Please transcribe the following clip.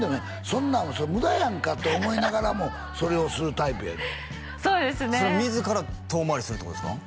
そんなん無駄やんかって思いながらもそれをするタイプやってそうですね自ら遠回りするってことですか？